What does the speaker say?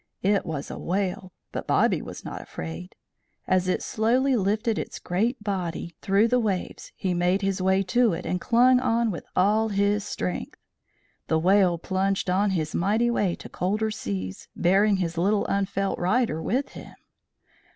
It was a whale, but Bobby was not afraid. As it slowly lifted its great body through the waves he made his way to it and clung on with all his strength. The whale plunged on his mighty way to colder seas, bearing his little unfelt rider with him.